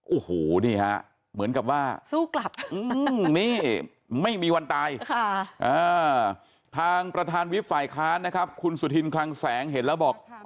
โอ้โหนี่ฮะเหมือนกับว่าสู้กลับนี่ไม่มีวันตายทางประธานวิบฝ่ายค้านนะครับคุณสุธินคลังแสงเห็นแล้วบอก